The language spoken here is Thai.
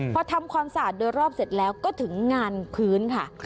พอทำความสะอาดโดยรอบเสร็จแล้วก็ถึงงานพื้นค่ะ